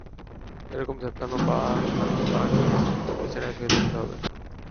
এ রকম থেঁতলানো হাত পা নিয়ে বিছানায় শুয়ে থাকতে হবে।